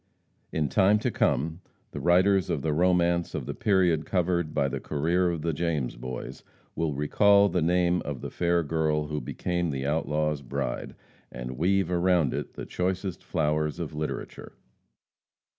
In time to come, the writers of the romance of the period covered by the career of the James Boys, will recall the name of the fair girl who became the outlaw's bride, and weave around it the choicest flowers of literature.